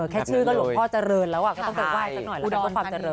แค่ชื่อก็หลวงพ่อเจริญแล้วก็ต้องไปไหว้สักหน่อยเพื่อความเจริญ